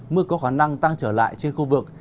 mưa có khả năng tăng trở lại trên khu vực